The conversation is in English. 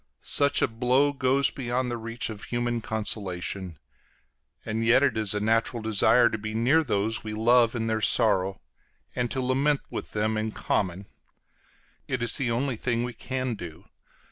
Such a blow goes beyond the reach of human consolation. And yet it is a natural desire to be near those we love in their sorrow, and to lament with them in common. It is the only thing we can do.